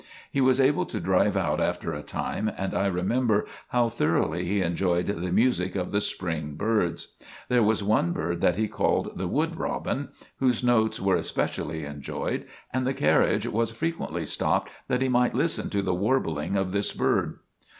He was able to drive out after a time, and I remember how thoroughly he enjoyed the music of the spring birds. There was one bird that he called the "wood robin," whose notes were especially enjoyed, and the carriage was frequently stopped that he might listen to the warbling of this bird.